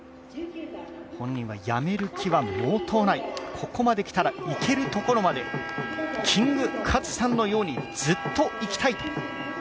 本人はやめる気は毛頭ない、ここまできたらいけるところまでキングカズさんのようにずっといきたいと。